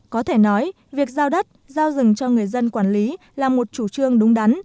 có thể nói việc giao đất giao rừng cho người dân quản lý là một chủ trương đúng đắn